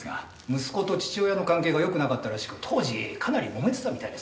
息子と父親の関係がよくなかったらしく当時かなり揉めてたみたいです。